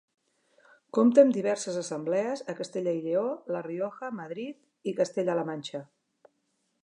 Compta amb diverses assemblees a Castella i Lleó, La Rioja, Madrid i Castella-la Manxa.